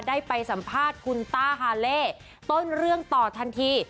ได้ไปสัมภาษณ์คุณต้าฮาเล่ต้นเรื่องต่อทันที